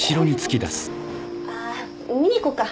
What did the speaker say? あ見に行こうか。